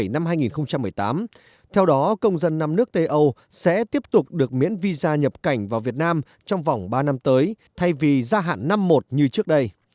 năm hai nghìn một mươi bảy hai nghìn một mươi tám theo đó công dân năm nước tây âu sẽ tiếp tục được miễn visa nhập cảnh vào việt nam trong vòng ba năm tới thay vì gia hạn năm một như trước đây